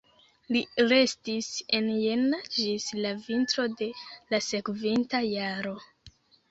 Li restis en Jena ĝis la vintro de la sekvinta jaro.